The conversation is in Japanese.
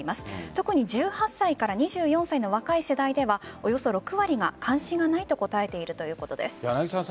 特に１８歳から２４歳の若い世代ではおよそ６割が関心がないと答えているということです。